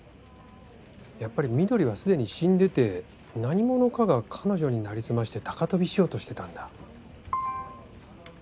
やっぱり翠はすでに死んでて何者かが彼女になりすまして高飛びしようとしてたんだ。